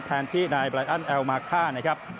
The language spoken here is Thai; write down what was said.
แทนที่นายไรอันแอลมาค่านะครับ